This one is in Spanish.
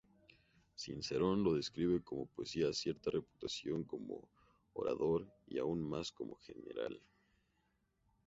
Cicerón lo describe como Poseía cierta reputación como orador, y aún más como general.